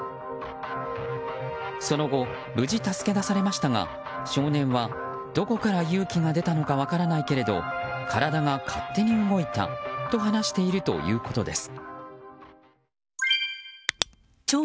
その後、無事助け出されましたが少年は、どこから勇気が出たのか分からないけれど体が勝手に動いたと話しているということです。